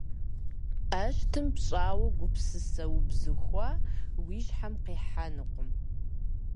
ӀэштӀым пщӀауэ гупсысэ убзыхуа уи щхьэм къихьэнукъым.